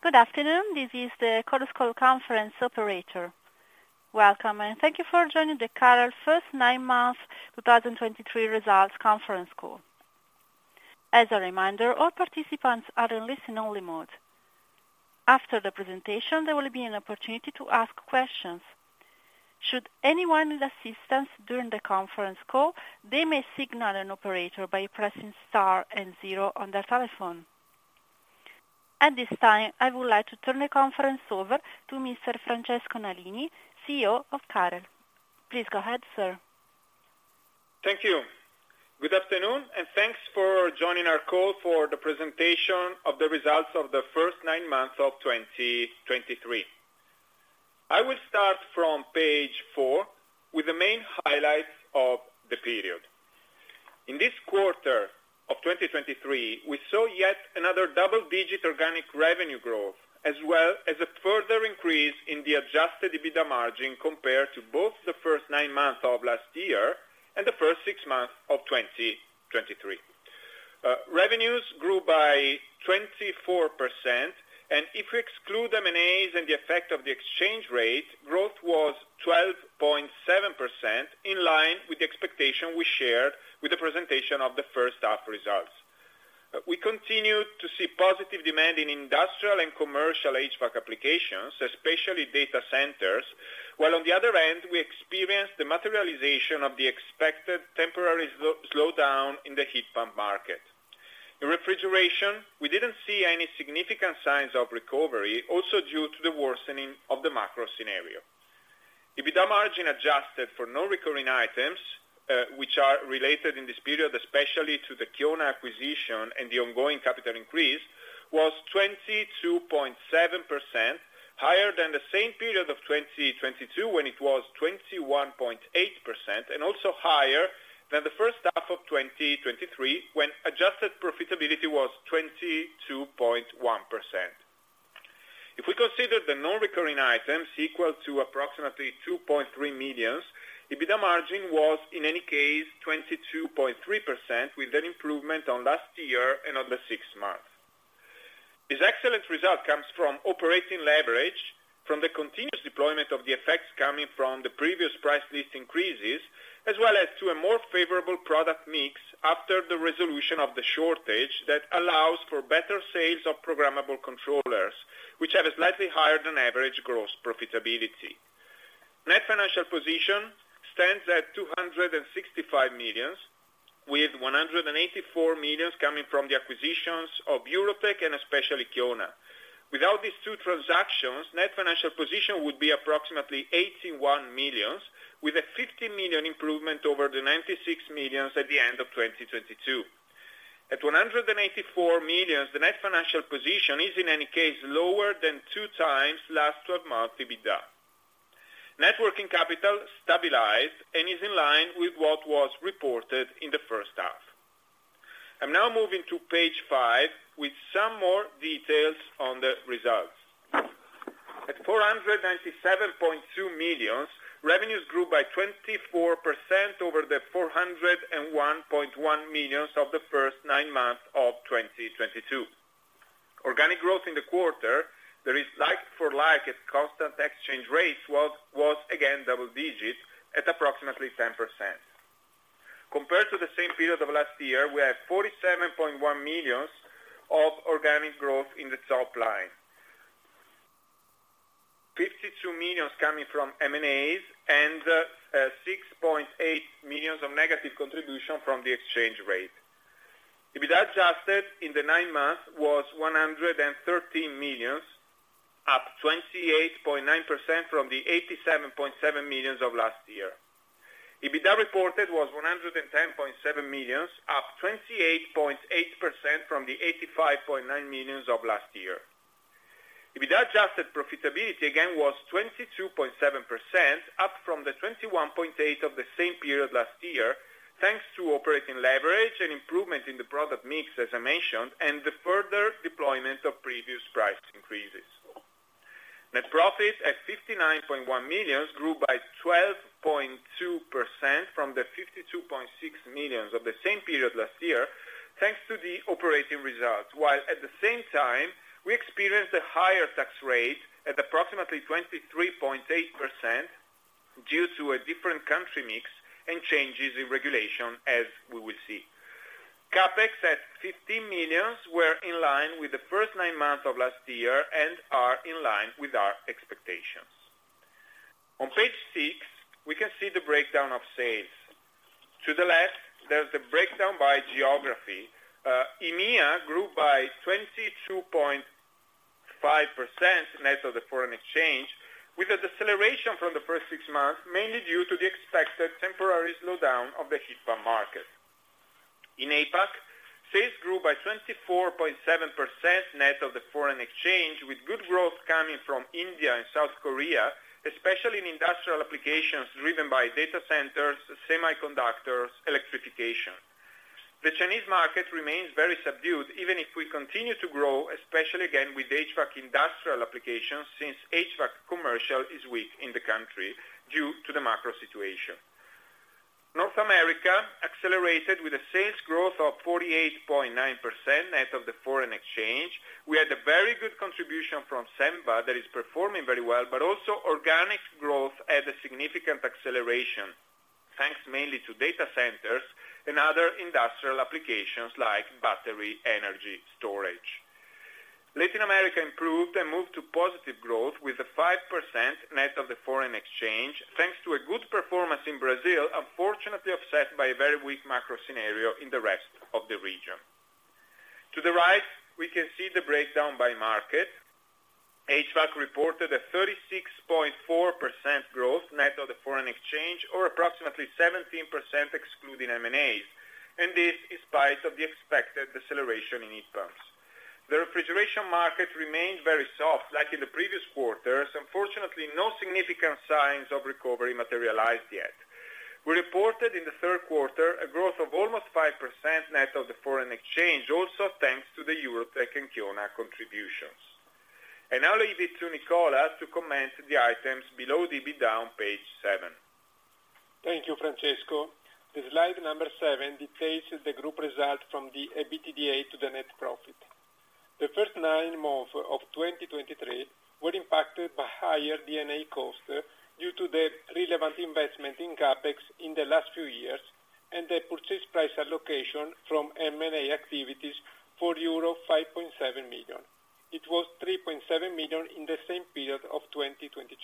Good afternoon, this is the CAREL conference operator. Welcome, and thank you for joining the CAREL first nine months 2023 results conference call. As a reminder, all participants are in listen only mode. After the presentation, there will be an opportunity to ask questions. Should anyone need assistance during the conference call, they may signal an operator by pressing star and zero on their telephone. At this time, I would like to turn the conference over to Mr. Francesco Nalini, CEO of CAREL. Please go ahead, sir. Thank you. Good afternoon, and thanks for joining our call for the presentation of the results of the first nine months of 2023. I will start from page four, with the main highlights of the period. In this quarter of 2023, we saw yet another double-digit organic revenue growth, as well as a further increase in the adjusted EBITDA margin compared to both the first nine months of last year and the first six months of 2023. Revenues grew by 24%, and if we exclude M&As and the effect of the exchange rate, growth was 12.7%, in line with the expectation we shared with the presentation of the first half results. We continued to see positive demand in industrial and commercial HVAC applications, especially data centers, while on the other end, we experienced the materialization of the expected temporary slowdown in the heat pump market. In refrigeration, we didn't see any significant signs of recovery, also due to the worsening of the macro scenario. EBITDA margin adjusted for non-recurring items, which are related in this period, especially to the Kiona acquisition and the ongoing capital increase, was 22.7%, higher than the same period of 2022, when it was 21.8%, and also higher than the first half of 2023, when adjusted profitability was 22.1%. If we consider the non-recurring items equal to approximately 2.3 million, EBITDA margin was, in any case, 22.3%, with an improvement on last year and on the sixth month. This excellent result comes from operating leverage from the continuous deployment of the effects coming from the previous price list increases, as well as to a more favorable product mix after the resolution of the shortage that allows for better sales of programmable controllers, which have a slightly higher than average gross profitability. Net Financial Position stands at 265 million, with 184 million coming from the acquisitions of Eurotec and especially Kiona. Without these two transactions, Net Financial Position would be approximately 81 million, with a 50 million improvement over the 96 million at the end of 2022. At 184 million, the Net Financial Position is, in any case, lower than 2x LTM EBITDA. Net working capital stabilized and is in line with what was reported in the first half. I'm now moving to page five, with some more details on the results. At 497.2 million, revenues grew by 24% over the 401.1 million of the first nine months of 2022. Organic growth in the quarter, there is like for like, at constant exchange rates, was again double digits at approximately 10%. Compared to the same period of last year, we have 47.1 million of organic growth in the top line. 52 million coming from M&As and 6.8 million of negative contribution from the exchange rate. EBITDA adjusted in the nine months was 113 million, up 28.9% from the 87.7 million of last year. EBITDA reported was 110.7 million, up 28.8% from the 85.9 million of last year. EBITDA adjusted profitability again, was 22.7%, up from the 21.8% of the same period last year, thanks to operating leverage and improvement in the product mix, as I mentioned, and the further deployment of previous price increases. Net profit at 59.1 million grew by 12.2% from the 52.6 million of the same period last year, thanks to the operating results. While at the same time, we experienced a higher tax rate at approximately 23.8% due to a different country mix and changes in regulation, as we will see. CapEx at 15 million, were in line with the first nine months of last year and are in line with our expectations. On page six, we can see the breakdown of sales. To the left, there's the breakdown by geography. EMEA grew by 22.5%, net of the foreign exchange, with a deceleration from the first six months, mainly due to the expected temporary slowdown of the heat pump market. In APAC, sales grew by 24.7% net of the foreign exchange, with good growth coming from India and South Korea, especially in industrial applications driven by data centers, semiconductors, electrification. The Chinese market remains very subdued, even if we continue to grow, especially again, with HVAC industrial applications, since HVAC commercial is weak in the country due to the macro situation. North America accelerated with a sales growth of 48.9%, net of the foreign exchange. We had a very good contribution from Senva, that is performing very well, but also organic growth had a significant acceleration, thanks mainly to data centers and other industrial applications like battery energy storage. Latin America improved and moved to positive growth with a 5% net of the foreign exchange, thanks to a good performance in Brazil, unfortunately, offset by a very weak macro scenario in the rest of the region. To the right, we can see the breakdown by market. HVAC reported a 36.4% growth net of the foreign exchange, or approximately 17% excluding M&As, and this in spite of the expected deceleration in heat pumps. The refrigeration market remained very soft, like in the previous quarters. Unfortunately, no significant signs of recovery materialized yet. We reported, in the Q3, a growth of almost 5% net of the foreign exchange, also thanks to the Eurotec and Kiona contributions. I now leave it to Nicola to comment the items below the EBITDA on page seven. Thank you, Francesco. The slide number seven details the group result from the EBITDA to the net profit. The first nine months of 2023 were impacted by higher D&A costs, due to the relevant investment in CapEx in the last few years, and the purchase price allocation from M&A activities for euro 5.7 million. It was 3.7 million in the same period of 2022.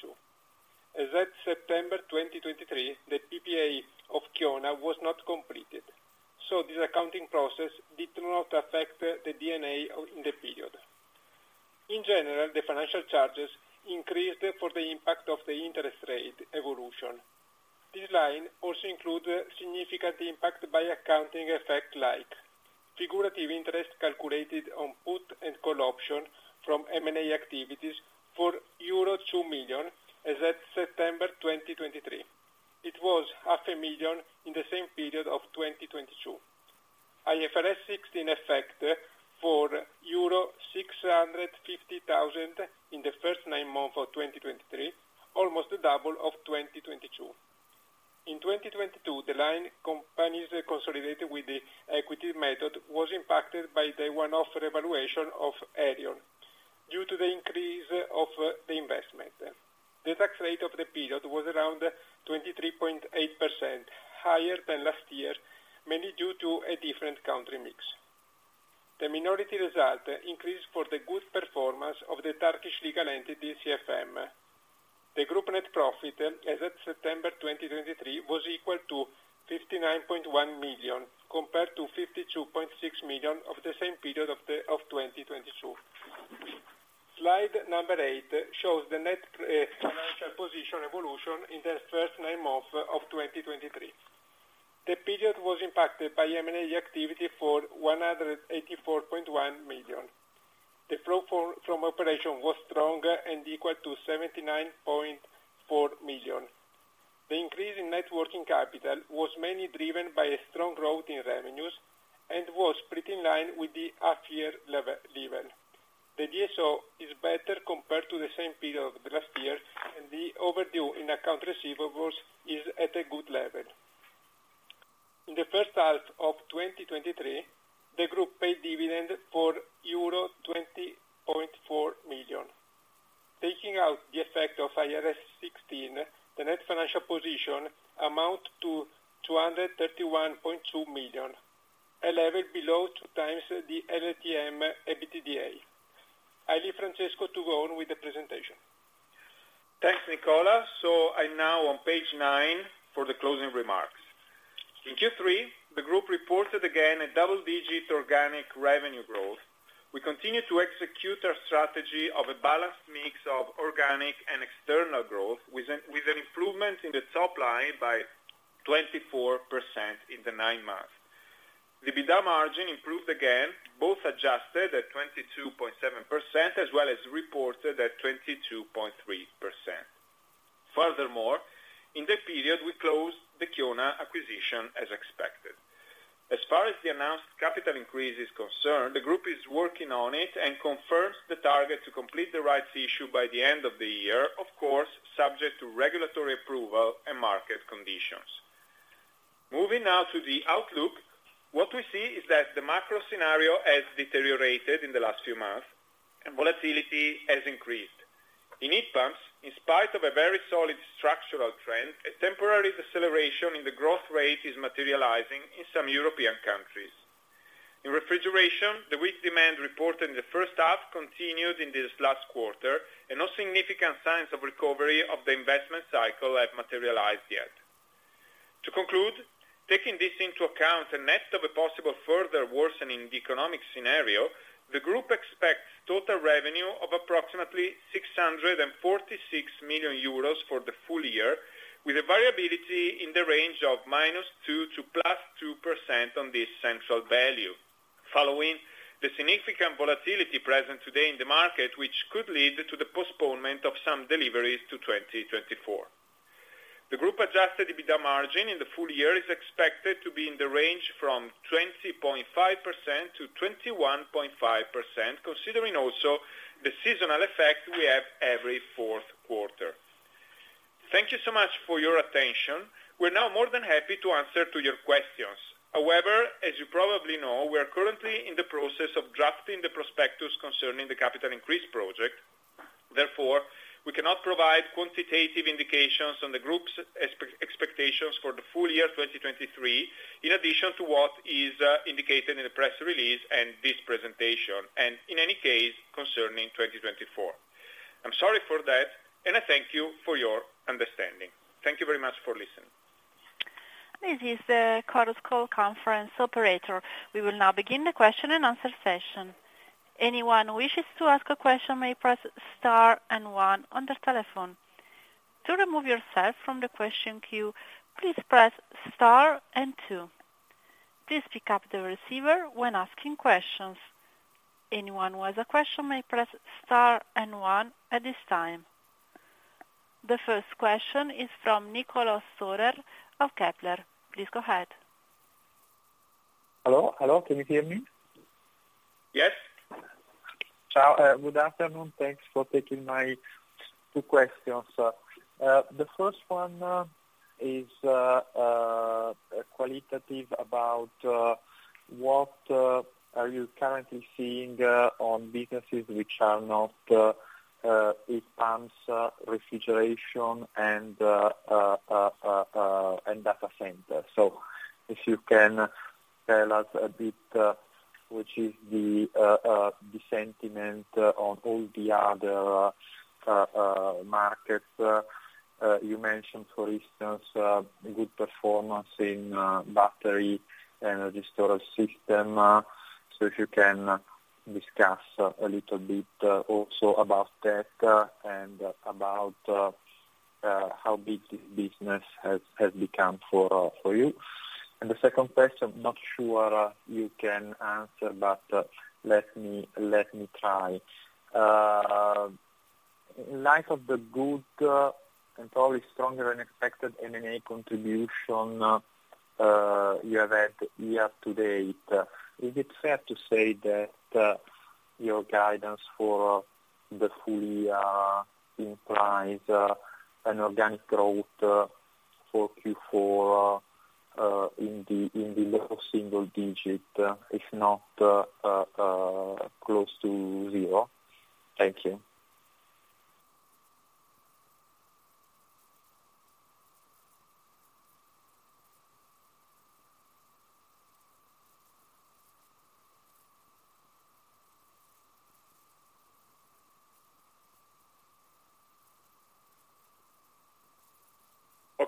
As at September 2023, the PPA of Kiona was not completed, so this accounting process did not affect the D&A in the period. In general, the financial charges increased for the impact of the interest rate evolution. This line also includes significant impact by accounting effect, like figurative interest calculated on put and call option from M&A activities for euro 2 million, as at September 2023. It was 500,000 in the same period of 2022. IFRS 16 effect mix of organic and external growth, with an improvement in the top line by 24% in the nine months. The EBITDA margin improved again, both adjusted at 22.7%, as well as reported at 22.3%. Furthermore, in the period, we closed the Kiona acquisition as expected. As far as the announced capital increase is concerned, the group is working on it and confirms the target to complete the rights issue by the end of the year, of course, subject to regulatory approval and market conditions. Moving now to the outlook, what we see is that the macro scenario has deteriorated in the last few months, and volatility has increased. In heat pumps, in spite of a very solid structural trend, a temporary deceleration in the growth rate is materializing in some European countries. In refrigeration, the weak demand reported in the first half continued in this last quarter, and no significant signs of recovery of the investment cycle have materialized yet. To conclude, taking this into account, and next of a possible further worsening economic scenario, the group expects total revenue of approximately 646 million euros for the full year, with a variability in the range of -2% to +2% on this central value, following the significant volatility present today in the market, which could lead to the postponement of some deliveries to 2024. The group-adjusted EBITDA margin in the full year is expected to be in the range from 20.5%-21.5%, considering also the seasonal effect we have every Q4. Thank you so much for your attention. We're now more than happy to answer to your questions. However, as you probably know, we are currently in the process of drafting the prospectus concerning the capital increase project. Therefore, we cannot provide quantitative indications on the group's expectations for the full year 2023, in addition to what is indicated in the press release and this presentation, and in any case, concerning 2024. I'm sorry for that, and I thank you for your understanding. Thank you very much for listening. This is the chorus call conference operator. We will now begin the question and answer session. Anyone who wishes to ask a question may press star and one on their telephone. To remove yourself from the question queue, please press star and two. Please pick up the receiver when asking questions. Anyone who has a question may press star and one at this time. The first question is from Niccolo Storer of Kepler. Please go ahead. Hello, hello, can you hear me? Yes. Ciao, good afternoon. Thanks for taking my two questions. The first one is qualitative about what are you currently seeing on businesses which are not heat pumps, refrigeration, and data center? So if you can tell us a bit which is the sentiment on all the other markets. You mentioned, for instance, good performance in battery and energy storage system. So if you can discuss a little bit also about that and about how big this business has become for you. And the second question, not sure you can answer, but let me try. In light of the good and probably stronger than expected M&A contribution you have had year to date, is it fair to say that your guidance for the full year implies an organic growth for Q4 in the low single digit, if not close to zero? Thank you.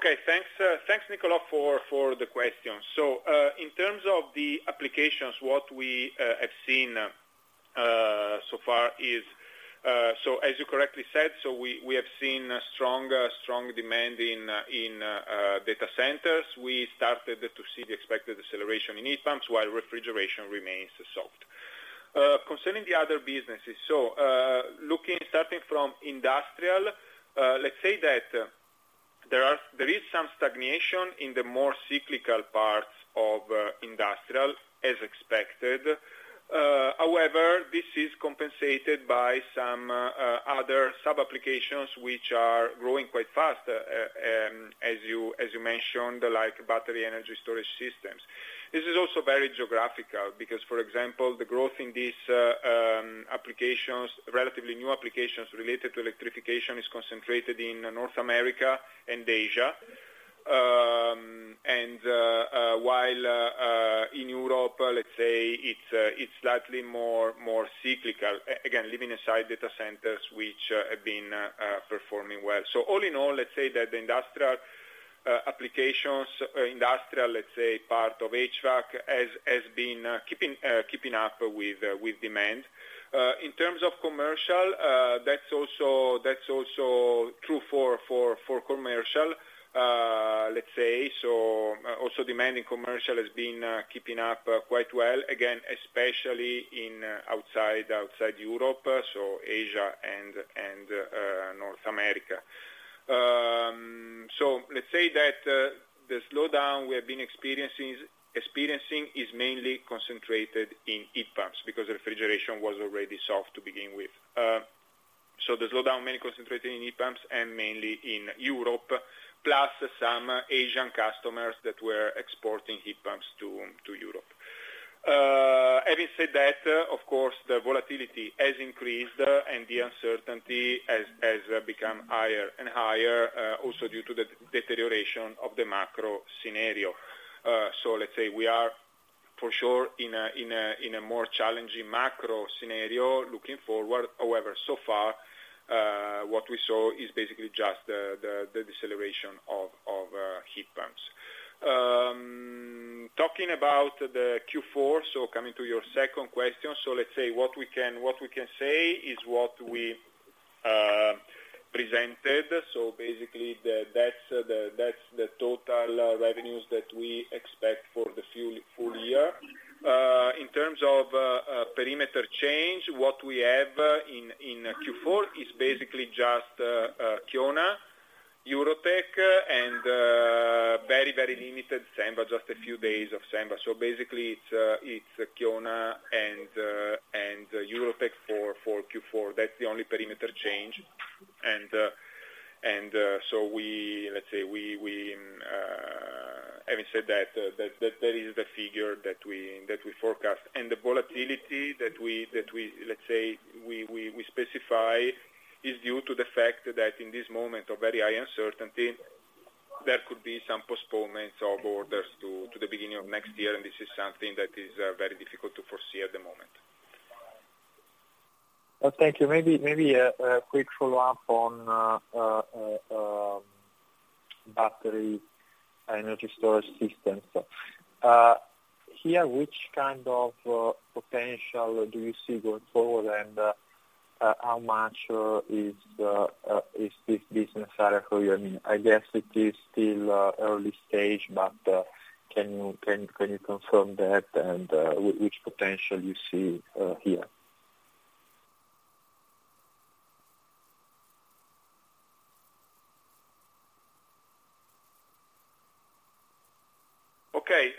Okay. Thanks, Nicholas, for the question. So, in terms of the applications, what we have seen so far is, as you correctly said, we have seen strong demand in data centers. We started to see the expected deceleration in heat pumps, while refrigeration remains soft. Concerning the other businesses, so, looking, starting from industrial, let's say that there is some stagnation in the more cyclical parts of industrial, as expected. However, this is compensated by some other sub-applications which are growing quite fast, as you mentioned, like battery energy storage systems. This is also very geographical, because, for example, the growth in these applications, relatively new applications related to electrification, is concentrated in North America and Asia. And while in Europe, let's say it's slightly more cyclical, again, leaving aside data centers which have been performing well. So all in all, let's say that the industrial applications, industrial, let's say, part of HVAC has been keeping up with demand. In terms of commercial, that's also true for commercial, let's say. So also demand in commercial has been keeping up quite well, again, especially outside Europe, so Asia and North America. So let's say that the slowdown we have been experiencing is mainly concentrated in heat pumps, because refrigeration was already soft to begin with. So the slowdown mainly concentrated in heat pumps and mainly in Europe, plus some Asian customers that were exporting heat pumps to Europe. Having said that, of course, the volatility has increased, and the uncertainty has become higher and higher, also due to the deterioration of the macro scenario. So let's say we are for sure in a more challenging macro scenario looking forward. However, so far, what we saw is basically just the deceleration of heat pumps. Talking about the Q4, so coming to your second question, so let's say what we can, what we can say is what we presented. So basically, that's the total revenues that we expect for the full year. In terms of perimeter change, what we have in Q4 is basically just Kiona, Eurotec, and very, very limited Senva, just a few days of Senva. So basically, it's Kiona and Eurotec for Q4. That's the only perimeter change. And so, let's say, we, having said that, that is the figure that we forecast. And the volatility that we, let's say, we specify is due to the fact that in this moment of very high uncertainty, there could be some postponements of orders to the beginning of next year, and this is something that is very difficult to foresee at the moment. Well, thank you. Maybe a quick follow-up on battery energy storage systems. Here, which kind of potential do you see going forward, and how much is this business area for you? I mean, I guess it is still early stage, but can you confirm that, and which potential you see here? Okay.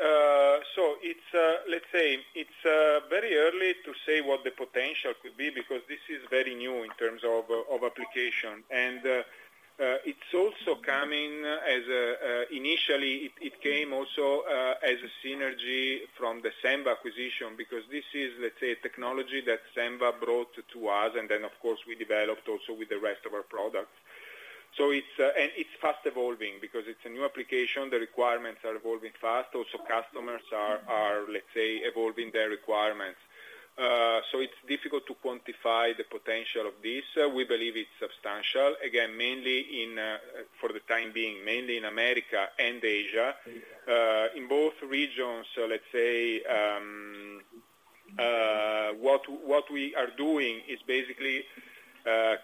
So it's, let's say it's very early to say what the potential could be, because this is very new in terms of application. And it's also coming as a... initially, it came also as a synergy from the Senva acquisition. Because this is, let's say, a technology that Senva brought to us, and then, of course, we developed also with the rest of our products. So it's and it's fast evolving because it's a new application, the requirements are evolving fast. Also, customers are, let's say, evolving their requirements. So it's difficult to quantify the potential of this. We believe it's substantial. Again, mainly in, for the time being, mainly in America and Asia. In both regions, let's say, what we are doing is basically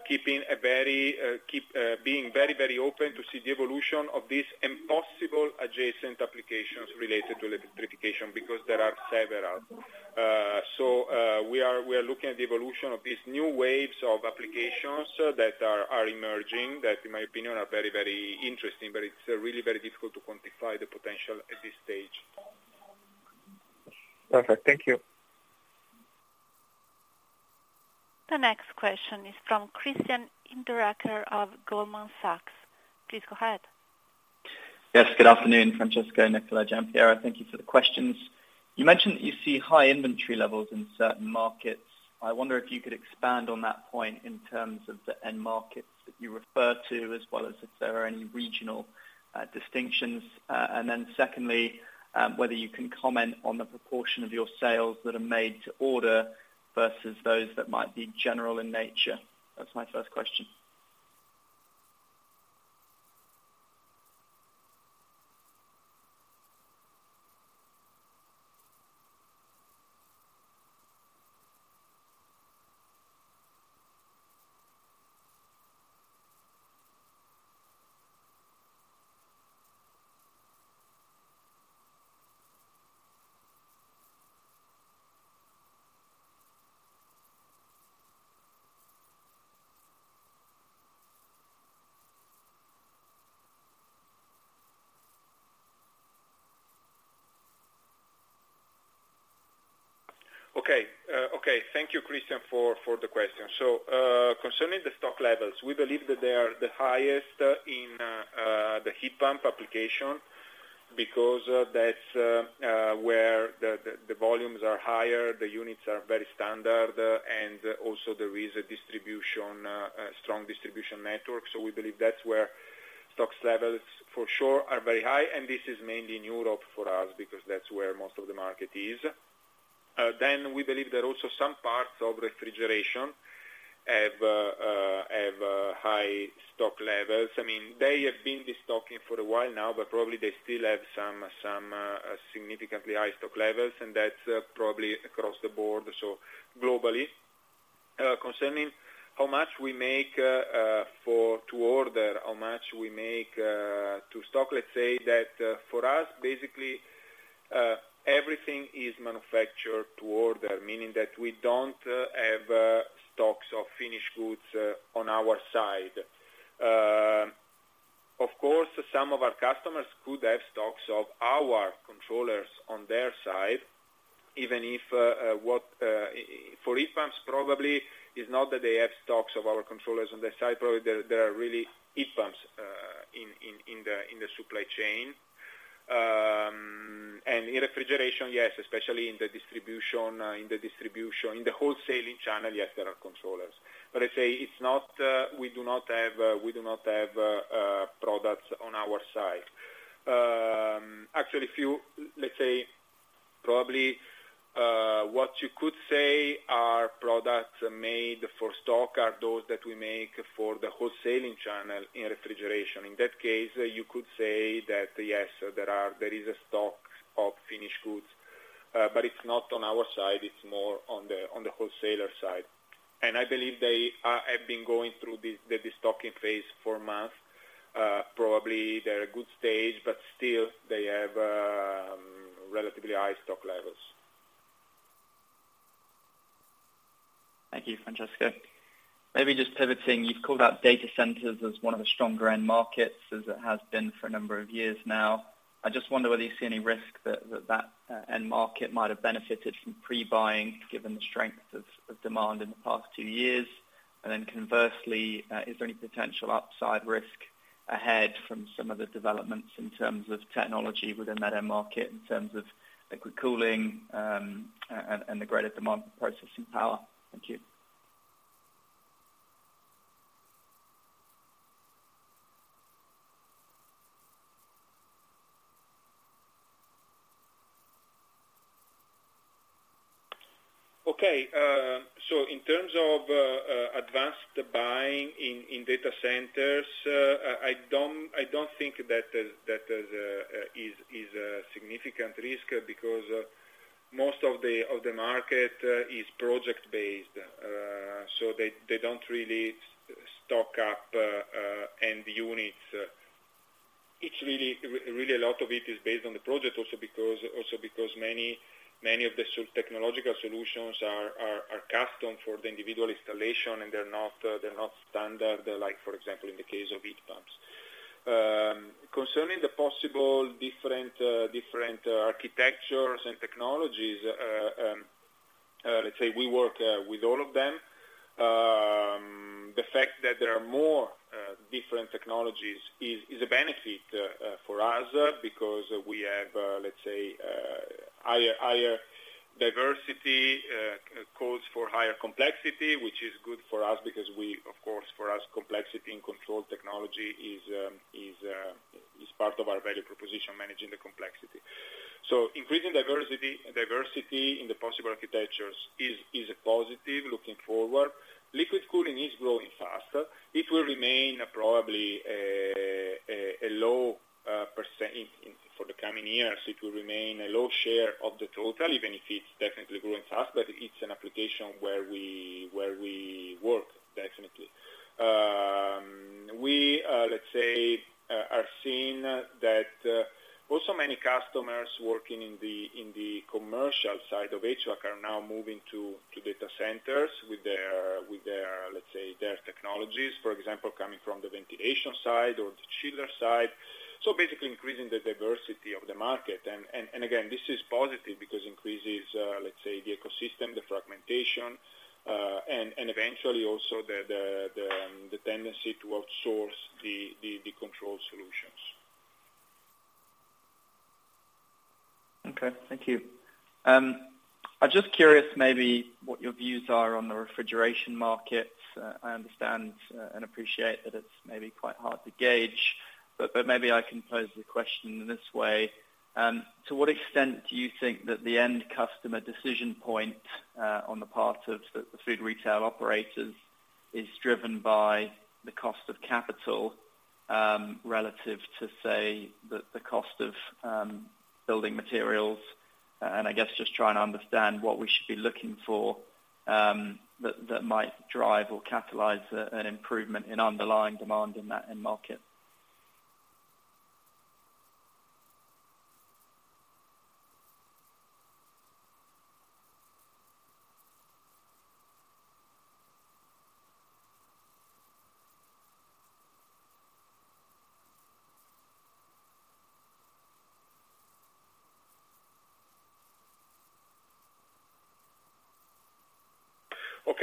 keeping a very being very, very open to see the evolution of this and possible adjacent applications related to electrification, because there are several. We are looking at the evolution of these new waves of applications that are emerging, that, in my opinion, are very, very interesting, but it's really very difficult to quantify the potential at this stage. Perfect. Thank you. The next question is from Christian Hinderaker of Goldman Sachs. Please go ahead. Yes, good afternoon, Francesco, Nicola, Giampiero, thank you for the questions. You mentioned that you see high inventory levels in certain markets. I wonder if you could expand on that point in terms of the end markets that you refer to, as well as if there are any regional distinctions. And then secondly, whether you can comment on the proportion of your sales that are made to order, versus those that might be general in nature. That's my first question. Okay. Okay. Thank you, Christian, for the question. So, concerning the stock levels, we believe that they are the highest in the heat pump application, because that's where the volumes are higher, the units are very standard, and also there is a strong distribution network. So we believe that's where stock levels, for sure, are very high, and this is mainly in Europe for us, because that's where most of the market is. Then we believe there are also some parts of refrigeration have high stock levels. I mean, they have been de-stocking for a while now, but probably they still have some significantly high stock levels, and that's probably across the board, so globally. Concerning how much we make for to order, how much we make to stock, let's say that for us, basically, everything is manufactured to order, meaning that we don't have stocks of finished goods on our side. Of course, some of our customers could have stocks of our controllers on their side, even if what for heat pumps, probably, it's not that they have stocks of our controllers on their side, probably there are really heat pumps in the supply chain. And in refrigeration, yes, especially in the distribution, in the wholesaling channel, yes, there are controllers. But I say it's not, we do not have products on our side. Actually, what you could say are products made for stock are those that we make for the wholesaling channel in refrigeration. In that case, you could say that, yes, there is a stock of finished goods, but it's not on our side, it's more on the wholesaler side. And I believe they have been going through this, the de-stocking phase for months. Probably they're at a good stage, but still they have relatively high stock levels. Thank you, Francesco. Maybe just pivoting, you've called out data centers as one of the stronger end markets, as it has been for a number of years now. I just wonder whether you see any risk that end market might have benefited from pre-buying, given the strength of demand in the past two years? And then conversely, is there any potential upside risk ahead from some of the developments in terms of technology within that end market, in terms of liquid cooling, and the greater demand for processing power? Thank you. Okay, so in terms of advanced buying in data centers, I don't think that is a significant risk, because most of the market is project-based. So they don't really stock up end units. It's really a lot of it is based on the project, also because many of the technological solutions are custom for the individual installation, and they're not standard, like for example, in the case of heat pumps. Concerning the possible different, different architectures and technologies, let's say we work with all of them. The fact that there are more different technologies is a benefit for us, because we have, let's say, higher diversity calls for higher complexity, which is good for us because we... Of course, for us, complexity and control technology is part of our value proposition, managing the complexity. So increasing diversity in the possible architectures is a positive, looking forward. Liquid cooling is growing faster. It will remain probably a low percent for the coming years, it will remain a low share of the total, even if it's definitely growing fast. But it's an application where we work, definitely. We, let's say, are seeing that also many customers working in the commercial side of HVAC are now moving to data centers with their, let's say, their technologies, for example, coming from the ventilation side or the chiller side, so basically increasing the diversity of the market. And again, this is positive because increases, let's say, the ecosystem, the fragmentation, and eventually also the tendency to outsource the control solutions. Okay. Thank you. I'm just curious maybe what your views are on the refrigeration market. I understand, and appreciate that it's maybe quite hard to gauge, but, but maybe I can pose the question in this way, to what extent do you think that the end customer decision point, on the part of the, the food retail operators, is driven by the cost of capital, relative to, say, the, the cost of, building materials? And I guess just trying to understand what we should be looking for, that, that might drive or catalyze a, an improvement in underlying demand in that end market.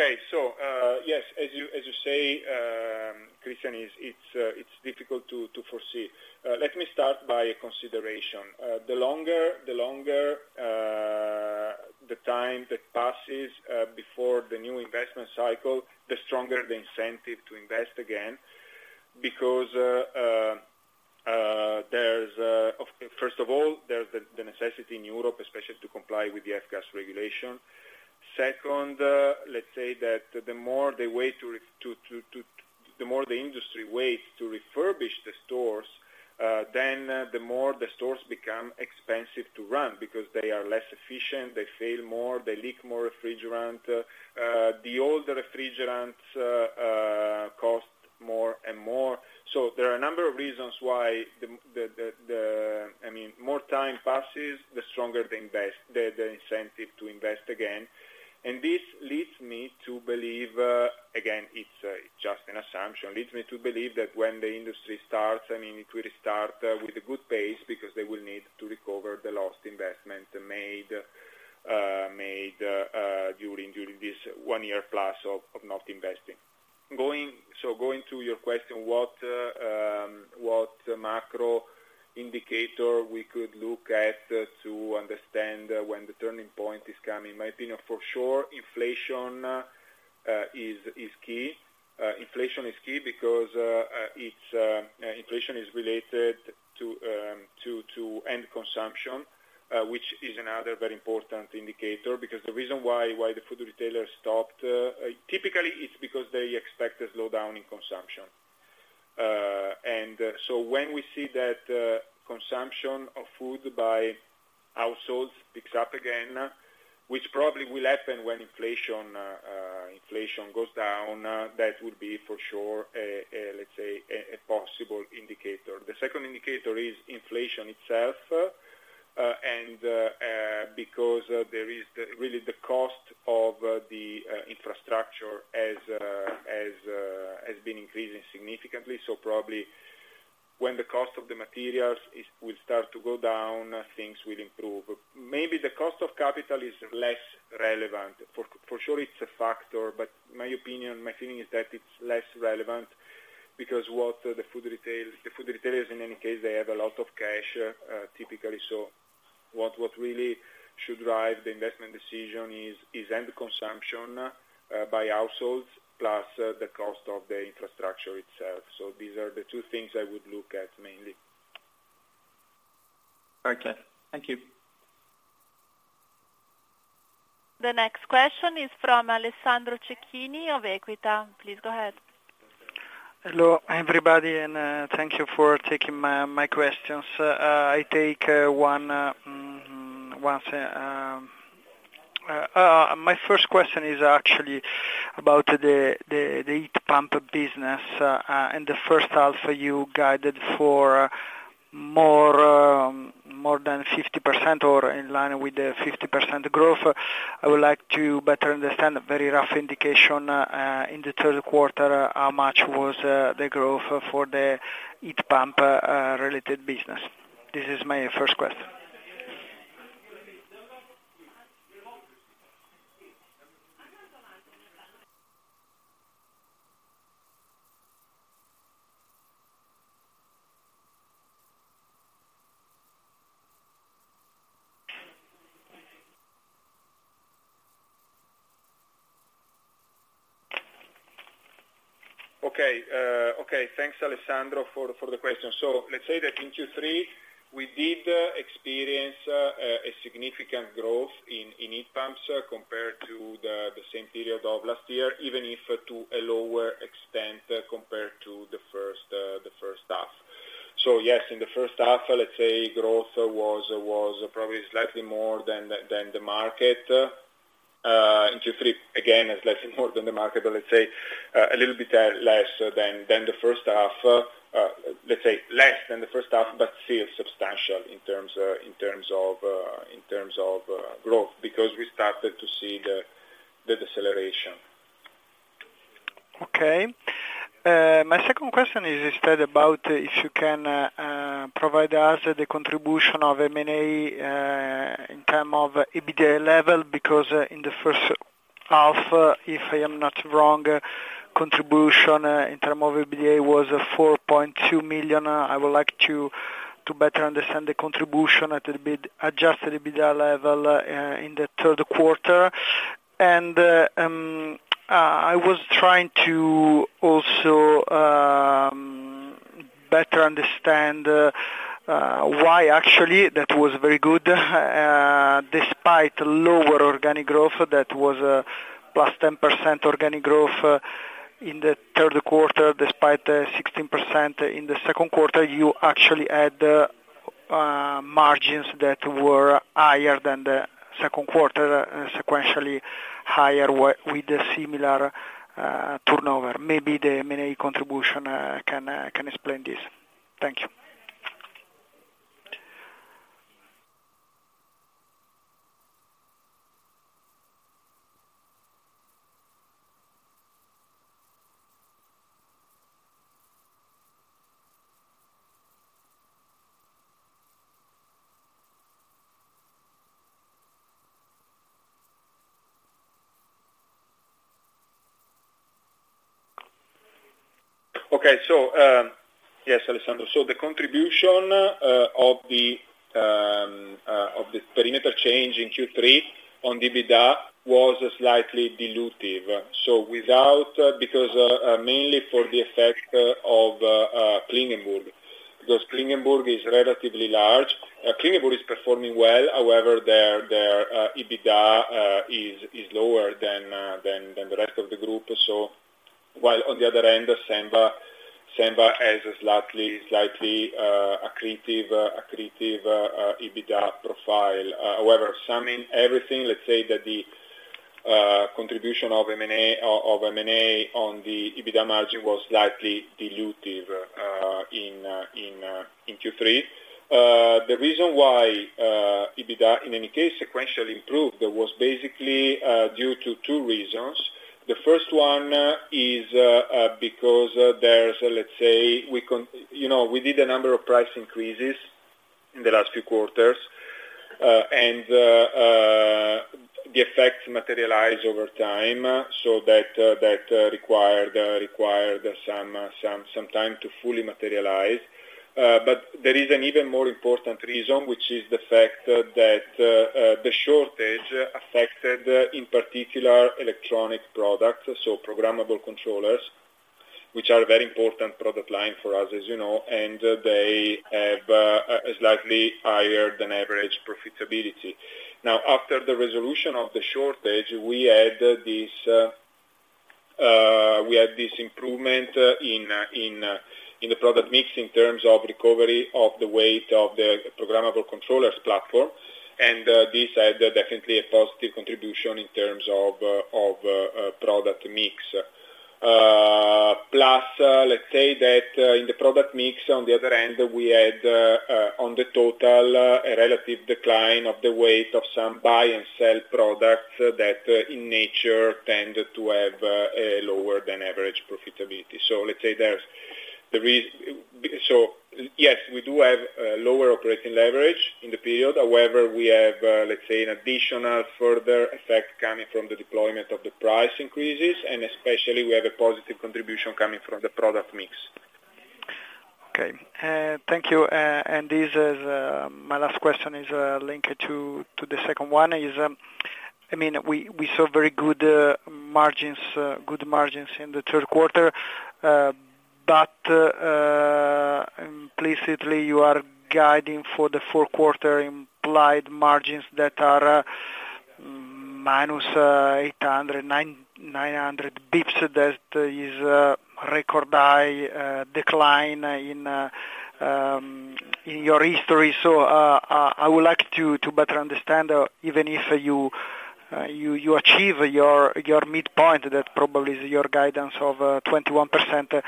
Okay. So, yes, as you say, Christian, it's difficult to foresee. Let me start by a consideration. The longer, the longer the time that passes before the new investment cycle, the stronger the incentive to invest again, because there's first of all, there's the necessity in Europe, especially to comply with the F-gas regulation. Second, let's say that the more they wait to refurbish the stores, then the more the stores become expensive to run, because they are less efficient, they fail more, they leak more refrigerant. The older refrigerants cost more and more. So there are a number of reasons why the... I mean, more time passes, the stronger the investment, the incentive to invest again. And this leads me to believe, again, it's just an assumption, leads me to believe that when the industry starts, I mean, it will start with a good pace, because they will need to recover the lost investment made during this one-year plus of not investing. So going to your question, what macro indicator we could look at to understand when the turning point is coming? In my opinion, for sure, inflation is key. Inflation is key because it's related to end consumption, which is another very important indicator, because the reason why the food retailer stopped, typically it's because they expect a slowdown in consumption. And so when we see that consumption of food by households picks up again, which probably will happen when inflation goes down, that will be for sure a let's say a possible indicator. The second indicator is inflation itself and because there is really the cost of the infrastructure as has been increasing significantly. So probably when the cost of the materials will start to go down, things will improve. Maybe the cost of capital is less relevant. For sure, it's a factor, but my opinion, my feeling is that it's less relevant because what the food retail, the food retailers, in any case, they have a lot of cash, typically. So what really should drive the investment decision is end consumption by households, plus the cost of the infrastructure itself. So these are the two things I would look at mainly. Okay, thank you. The next question is from Alessandro Cecchini of Equita. Please, go ahead. Hello, everybody, and thank you for taking my questions. My first question is actually about the heat pump business, and the first half you guided for more than 50% or in line with the 50% growth. I would like to better understand a very rough indication in the Q3 how much was the growth for the heat pump related business. This is my first question. [inaudible] Okay, okay, thanks, Alessandro, for, for the question. So let's say that in Q3, we did experience a significant growth in, in heat pumps compared to the, the same period of last year, even if to a lower extent compared to the, the first, the first half. So yes, in the first half, let's say growth was, was probably slightly more than the, than the market. In Q3, again, it's slightly more than the market, but let's say a little bit less than, than the first half. Let's say less than the first half, but still substantial in terms, in terms of, in terms of growth, because we started to see the, the deceleration. Okay. My second question is instead about if you can provide us the contribution of M&A in terms of EBITDA level, because in the first half, if I am not wrong, contribution in terms of EBITDA was 4.2 million. I would like to better understand the contribution like the adjusted EBITDA level in the Q3. And I was trying to also better understand why actually that was very good despite lower organic growth, that was +10% organic growth in the Q3, despite 16% in the Q2, you actually had margins that were higher than the Q2, sequentially higher with the similar turnover. Maybe the M&A contribution can explain this. Thank you. Okay. So, yes, Alessandro. So the contribution of the perimeter change in Q3 on the EBITDA was slightly dilutive. Because mainly for the effect of Klingenburg. Because Klingenburg is relatively large. Klingenburg is performing well, however, their EBITDA is lower than the rest of the group. So while on the other end, Senva, Senva has a slightly, slightly accretive, accretive EBITDA profile. However, summing everything, let's say that the contribution of M&A on the EBITDA margin was slightly dilutive in, in Q3. The reason why EBITDA, in any case, sequentially improved, that was basically due to two reasons. The first one is because there's, let's say, you know, we did a number of price increases in the last few quarters, and the effects materialize over time, so that required some, some time to fully materialize. But there is an even more important reason, which is the fact that the shortage affected, in particular, electronic products, so Programmable Controllers, which are a very important product line for us, as you know, and they have a slightly higher than average profitability. Now, after the resolution of the shortage, we had this, we had this improvement in a, in the product mix in terms of recovery of the weight of the Programmable Controllers platform... This had definitely a positive contribution in terms of product mix. Plus, let's say that in the product mix, on the other hand, we had on the total a relative decline of the weight of some buy and sell products that in nature tended to have a lower than average profitability. So yes, we do have lower operating leverage in the period. However, we have let's say an additional further effect coming from the deployment of the price increases, and especially we have a positive contribution coming from the product mix. Okay, thank you. And this is my last question, linked to the second one. I mean, we saw very good margins, good margins in the Q3, but implicitly, you are guiding for the Q4 implied margins that are minus 800-900 basis points. That is a record high decline in your history. So, I would like to better understand, even if you achieve your midpoint, that probably is your guidance of 21%,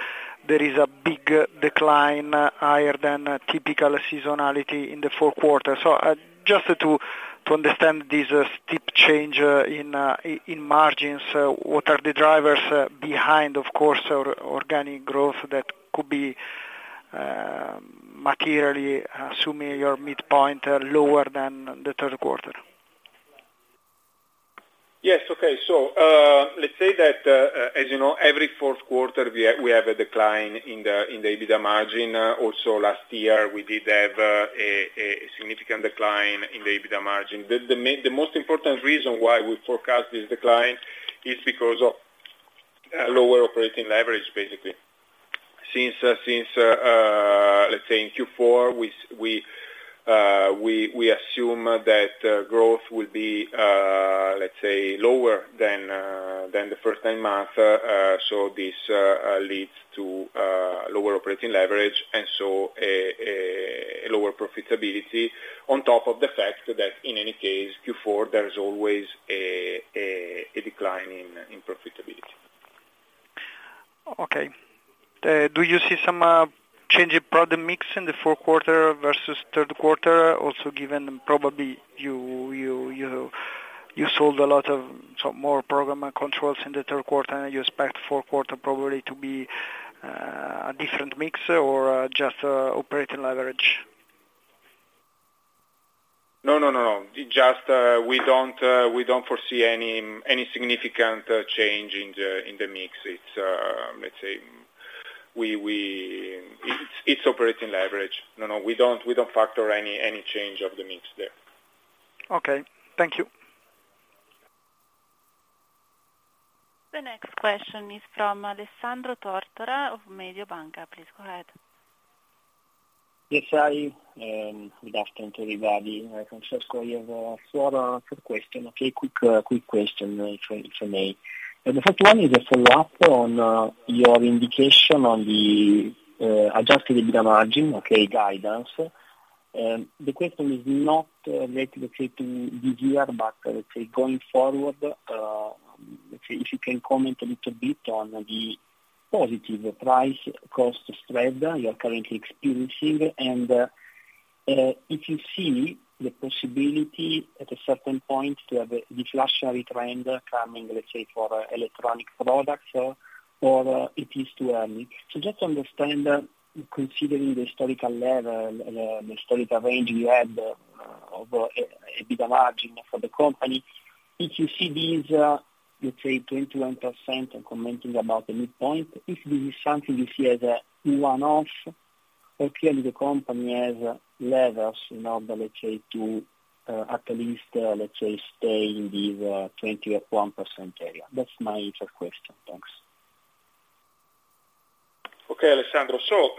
there is a big decline higher than typical seasonality in the Q4. Just to understand this steep change in margins, what are the drivers behind, of course, our organic growth that could be materially assuming your midpoint lower than the Q3? Yes. Okay. So, let's say that, as you know, every Q4 we have a decline in the EBITDA margin. Also, last year, we did have a significant decline in the EBITDA margin. The most important reason why we forecast this decline is because of lower operating leverage, basically. Since, let's say in Q4, we, we assume that growth will be, let's say, lower than the first nine months. So this leads to lower operating leverage, and so a lower profitability on top of the fact that in any case, Q4, there is always a decline in profitability. Okay. Do you see some change in product mix in the Q4 versus Q3? Also, given probably you sold a lot of sort of more programmable controls in the Q3, and you expect Q4 probably to be a different mix or just operating leverage? No, no, no, no. Just, we don't, we don't foresee any significant change in the mix. It's, let's say, it's operating leverage. No, no, we don't factor any change of the mix there. Okay. Thank you. The next question is from Alessandro Tortora of Mediobanca. Please go ahead. Yes, hi, good afternoon, everybody. Francesco, you have four quick question. Okay, quick question from me. The first one is a follow-up on your indication on the adjusted EBITDA margin, okay, guidance. The question is not related, okay, to this year, but, let's say, going forward, if you can comment a little bit on the positive price cost spread you are currently experiencing, and if you see the possibility at a certain point to have a deflationary trend coming, let's say, for electronic products or it is too early. So just to understand, considering the historical level, the historical range you had of EBITDA margin for the company, if you see these, let's say, 21%, I'm commenting about the midpoint, if this is something you see as a one-off, or clearly the company has levers in order, let's say, to, at least, let's say, stay in this, 21% area? That's my first question. Thanks. Okay, Alessandro. So,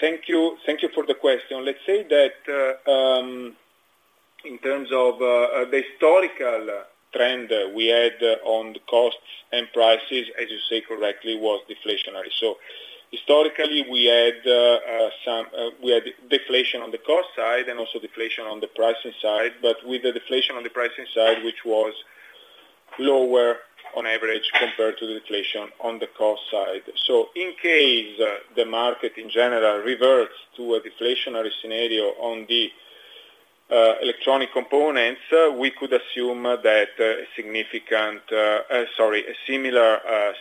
thank you. Thank you for the question. Let's say that, in terms of, the historical trend we had on the costs and prices, as you say correctly, was deflationary. So historically, we had deflation on the cost side and also deflation on the pricing side, but with the deflation on the pricing side, which was lower on average compared to the deflation on the cost side. So in case the market in general reverts to a deflationary scenario on the, electronic components, we could assume that a significant, sorry, a similar, a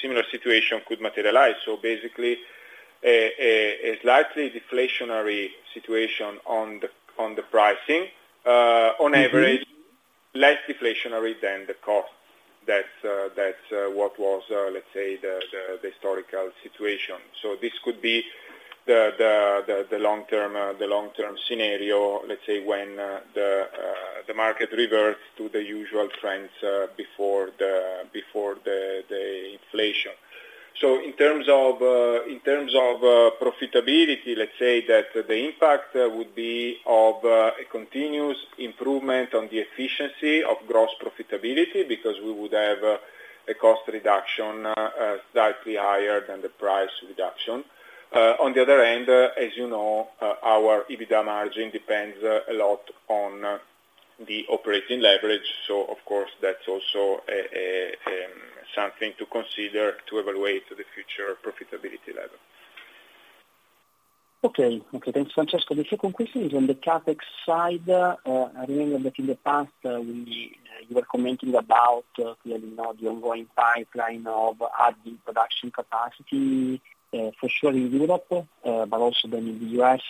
similar situation could materialize. So basically, a slightly deflationary situation on the, on the pricing, on average, less deflationary than the cost. That's, that's, what was, let's say, the, the, the historical situation. So this could be the long-term scenario, let's say, when the market reverts to the usual trends before the, before the inflation. So in terms of, in terms of profitability, let's say that the impact would be of a continuous improvement on the efficiency of gross profitability, because we would have a cost reduction slightly higher than the price reduction. On the other hand, as you know, our EBITDA margin depends a lot on the operating leverage, so of course, that's also something to consider to evaluate the future profitability level. Okay. Okay, thanks, Francesco. The second question is on the CapEx side. I remember that in the past, we, you were commenting about, you know, the ongoing pipeline of adding production capacity, for sure in Europe, but also then in the U.S.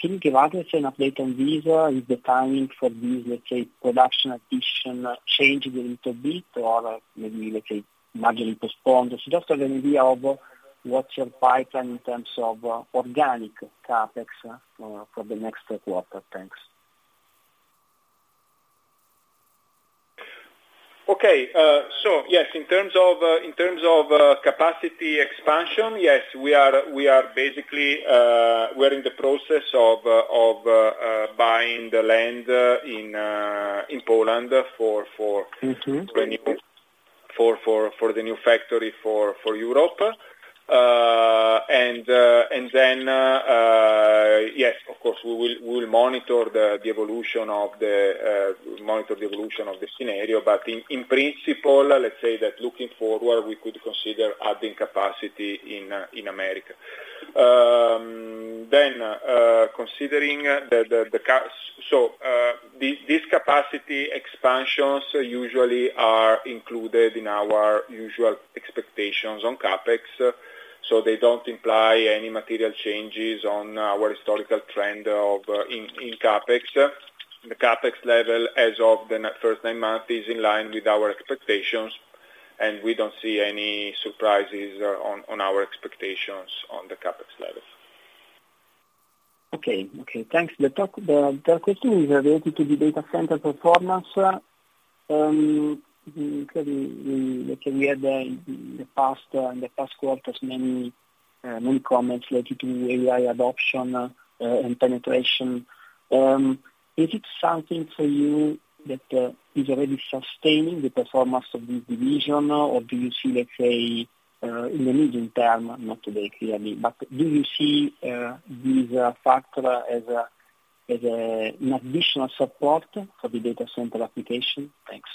Can you give us an update on this? Is the timing for this, let's say, production addition changed a little bit, or maybe, let's say, marginally postponed? Just to have an idea of what's your pipeline in terms of, organic CapEx, for the next quarter. Thanks. Okay. So yes, in terms of capacity expansion, yes, we are basically in the process of buying the land in Poland for- Mm-hmm. for the new factory for Europe. And then, yes, of course, we will monitor the evolution of the scenario, but in principle, let's say that looking forward, we could consider adding capacity in America. Then, considering the capacity, so these capacity expansions usually are included in our usual expectations on CapEx, so they don't imply any material changes in our historical trend in CapEx. The CapEx level, as of the first nine months, is in line with our expectations, and we don't see any surprises in our expectations on the CapEx level. Okay. Okay, thanks. The third question is related to the data center performance. We had in the past quarters many comments related to AI adoption and penetration. Is it something for you that is already sustaining the performance of this division, or do you see, let's say, in the medium term, not today, clearly, but do you see this factor as an additional support for the data center application? Thanks.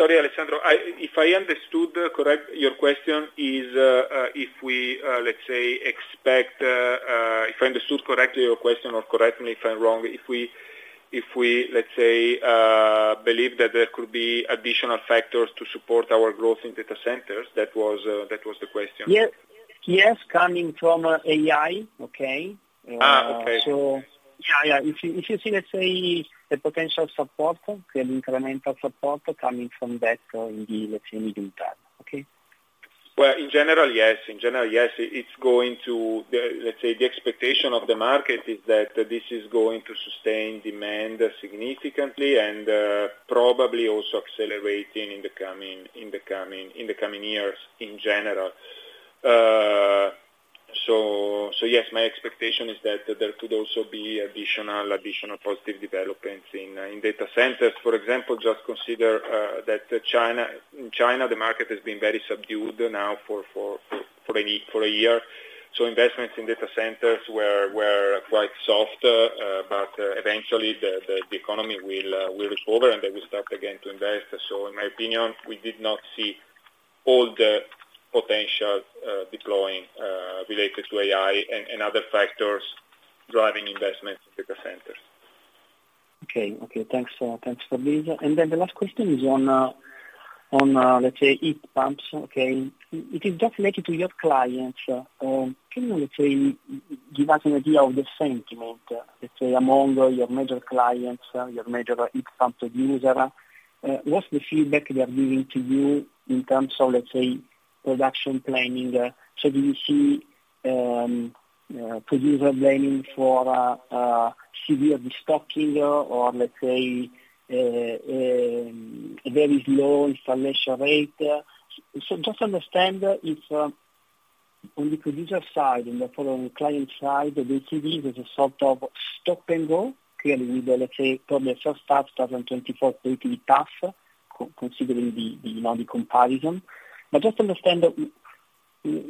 Sorry, Alessandro. If I understood correct, your question is, if we, let's say, expect, if I understood correctly your question, or correct me if I'm wrong, if we, if we, let's say, believe that there could be additional factors to support our growth in data centers, that was, that was the question? Yes. Yes, coming from AI, okay? Ah, okay. So yeah, yeah. If you, if you see, let's say, the potential support, an incremental support coming from that in the, let's say, medium term, okay? Well, in general, yes. In general, yes, it's going to... The, let's say, the expectation of the market is that this is going to sustain demand significantly and probably also accelerating in the coming, in the coming, in the coming years, in general. So yes, my expectation is that there could also be additional positive developments in data centers. For example, just consider that China, in China, the market has been very subdued now for a year, so investments in data centers were quite soft, but eventually the economy will recover, and they will start again to invest. So in my opinion, we did not see all the potential deploying related to AI and other factors driving investment in data centers. Okay. Okay, thanks, thanks for this. And then the last question is on, on, let's say, heat pumps, okay? It is just related to your clients. Can you let's say, give us an idea of the sentiment, let's say, among your major clients, your major heat pump user? What's the feedback they are giving to you in terms of, let's say, production planning? So do you see, producer planning for, severe destocking or let's say, a very slow installation rate? So just understand if, on the producer side, on the following client side, do you see there's a sort of stop and go? Clearly, let's say, probably first half, 2024 going to be tough, considering the, the, you know, the comparison. Just to understand,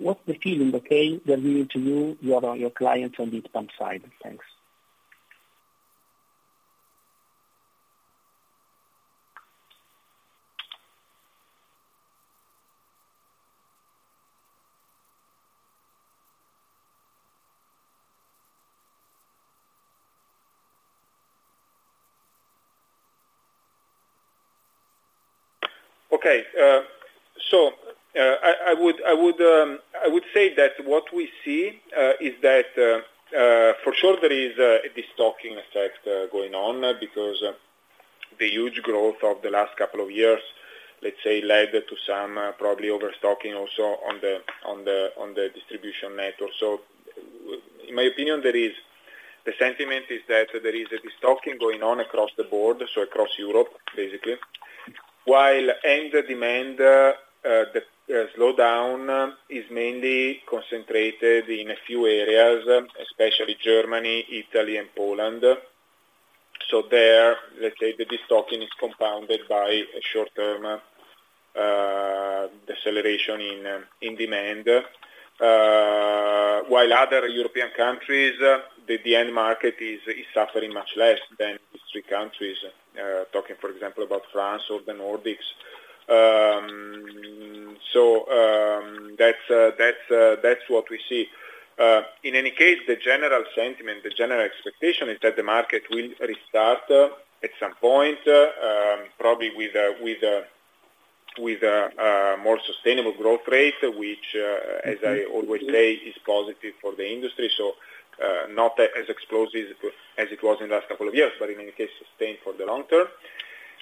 what's the feeling they are giving to you, your clients on the heat pump side? Thanks. Okay. So, I would say that what we see is that, for sure, there is a destocking effect going on, because the huge growth of the last couple of years, let's say, led to some probably overstocking also on the, on the distribution network. In my opinion, the sentiment is that there is a destocking going on across the board, so across Europe, basically. While end demand, the slowdown is mainly concentrated in a few areas, especially Germany, Italy, and Poland. So there, let's say, the destocking is compounded by a short-term deceleration in demand. While other European countries, the end market is suffering much less than these three countries, talking, for example, about France or the Nordics. So, that's what we see. In any case, the general sentiment, the general expectation is that the market will restart at some point, probably with a, with a, with a more sustainable growth rate, which, as I always say, is positive for the industry. So, not as explosive as it was in the last couple of years, but in any case, sustained for the long term.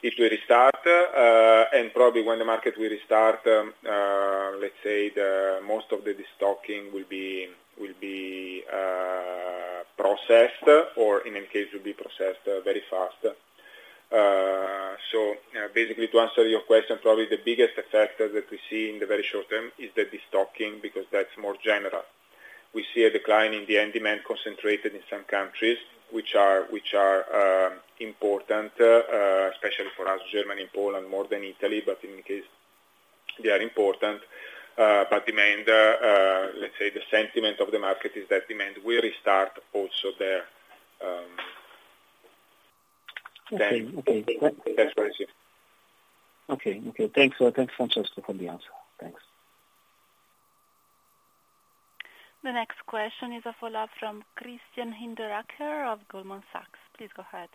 If we restart, and probably when the market will restart, let's say the most of the destocking will be, will be processed or in any case, will be processed very fast. So, basically, to answer your question, probably the biggest factor that we see in the very short term is the destocking, because that's more general. We see a decline in the end demand concentrated in some countries, which are, which are important, especially for us, Germany, Poland, more than Italy, but in any case, they are important. But demand, let's say the sentiment of the market, is that demand will restart also there, then- Okay. Okay. That's what I see. Okay. Okay, thanks. Thanks, Francesco, for the answer. Thanks. The next question is a follow-up from Christian Hinderaker of Goldman Sachs. Please go ahead.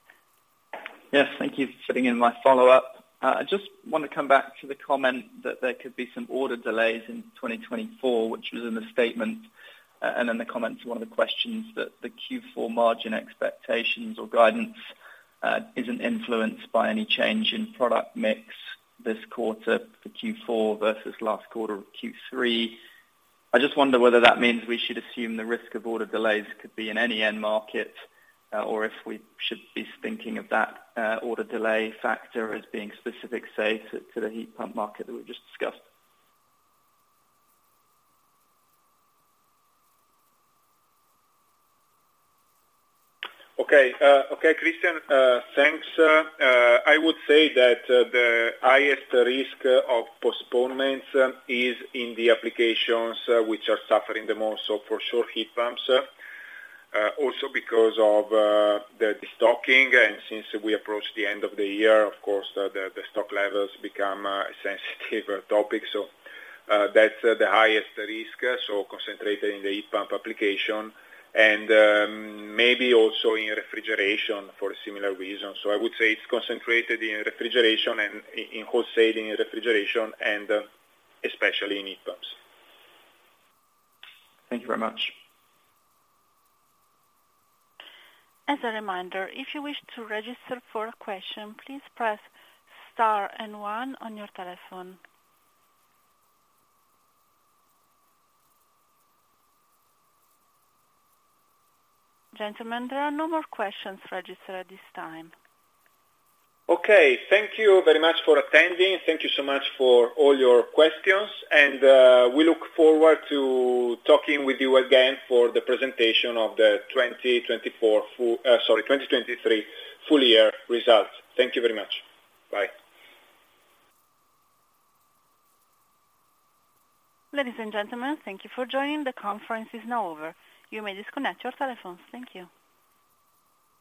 Yes, thank you for fitting in my follow-up. I just want to come back to the comment that there could be some order delays in 2024, which was in the statement, and in the comment to one of the questions that the Q4 margin expectations or guidance isn't influenced by any change in product mix this quarter for Q4 versus last quarter of Q3. I just wonder whether that means we should assume the risk of order delays could be in any end market, or if we should be thinking of that order delay factor as being specific, say, to the heat pump market that we just discussed? Okay, okay, Christian, thanks. I would say that the highest risk of postponements is in the applications which are suffering the most, so for sure, heat pumps. Also because of the destocking, and since we approach the end of the year, of course, the stock levels become a sensitive topic. So, that's the highest risk, so concentrated in the heat pump application and, maybe also in refrigeration for a similar reason. So I would say it's concentrated in refrigeration and in wholesaling, in refrigeration, and especially in heat pumps. Thank you very much. As a reminder, if you wish to register for a question, please press star and one on your telephone. Gentlemen, there are no more questions registered at this time. Okay. Thank you very much for attending. Thank you so much for all your questions, and we look forward to talking with you again for the presentation of the 2024, sorry, 2023 full year results. Thank you very much. Bye. Ladies and gentlemen, thank you for joining. The conference is now over. You may disconnect your telephones. Thank you.